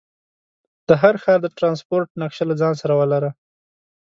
د هر ښار د ټرانسپورټ نقشه له ځان سره ولره.